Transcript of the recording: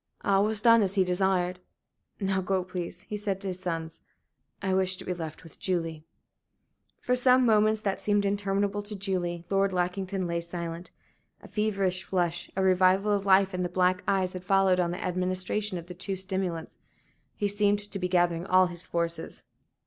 All was done as he desired. "Now go, please," he said to his sons. "I wish to be left with Julie." For some moments, that seemed interminable to Julie, Lord Lackington lay silent. A feverish flush, a revival of life in the black eyes had followed on the administration of the two stimulants. He seemed to be gathering all his forces.